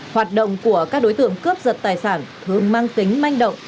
hoạt động của các đối tượng cướp giật tài sản thường mang tính manh động